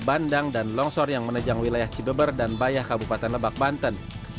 bandang dan longsor yang menejang wilayah cibeber dan bayah kabupaten lebak banten